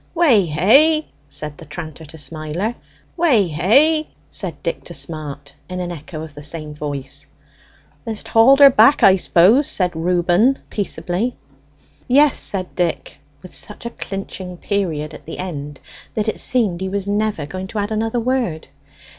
"Weh hey!" said the tranter to Smiler. "Weh hey!" said Dick to Smart, in an echo of the same voice. "Th'st hauled her back, I suppose?" Reuben inquired peaceably. "Yes," said Dick, with such a clinching period at the end that it seemed he was never going to add another word.